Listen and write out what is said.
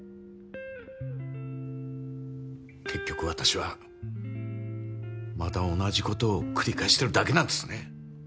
結局私はまた同じことを繰り返してるだけなんですね。